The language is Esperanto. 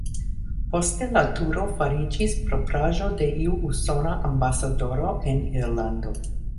Poste la turo fariĝis propraĵo de iu usona ambasadoro en Irlando.